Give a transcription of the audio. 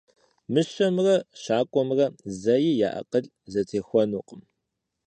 Мыщэмрэ щакӏуэмрэ зэи я акъыл зэтехуэнукъым.